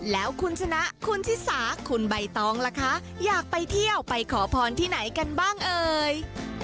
แล้วคุณชนะคุณชิสาคุณใบตองล่ะคะอยากไปเที่ยวไปขอพรที่ไหนกันบ้างเอ่ย